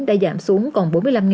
đã giảm xuống còn bốn mươi năm